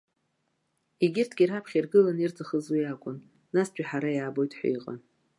Егьырҭгьы раԥхьа иргылан ирҭахыз уи акәын, настәи ҳара иаабоит ҳәа иҟан.